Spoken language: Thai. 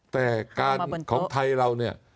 แต่การของไทยเราเนี่ย